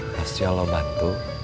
mesti allah bantu